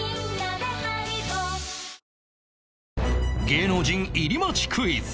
芸能人入り待ちクイズ